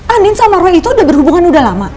andin sama roy itu udah berhubungan udah lama